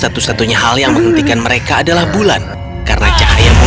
kau dengar dengan cara itu